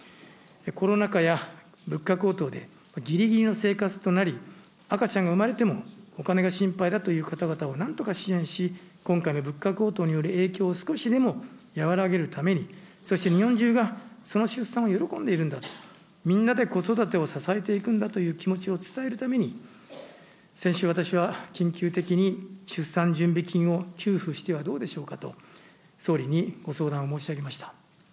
コロナ禍や物価高騰で、ぎりぎりの生活となり、赤ちゃんが産まれてもお金が心配だという方々を、なんとか支援し、今回の物価高騰による影響を少しでも和らげるために、そして日本中がその出産を喜んでいるんだと、みんなで子育てを支えていくんだという気持ちを伝えるために先週、私は緊急的に、出産準備金を給付してはどうでしょうかと総理にご相談を申し上げました。